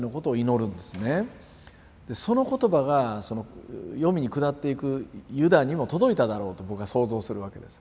その言葉が黄泉に下っていくユダにも届いただろうと僕は想像するわけです。